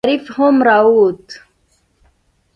شريف هم راووت.